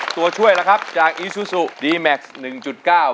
ตัวช่วยล่ะครับจากอีซูซูดีแม็กซ์หนึ่งจุดเก้า